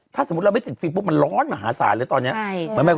ถ้าสมมุติเราไม่ติดฟิล์ปุ๊บมันร้อนมหาศาลเลยตอนนี้